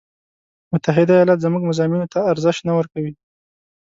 متحده ایالات زموږ مضامینو ته ارزش نه ورکوي.